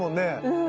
うん。